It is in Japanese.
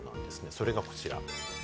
それがこちら。